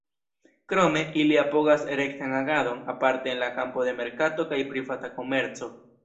Krome, ili apogas rektan agadon, aparte en la kampo de merkato kaj privata komerco.